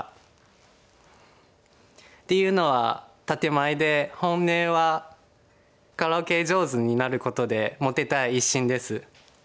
っていうのは建て前で本音はカラオケ上手になることでモテたい一心です。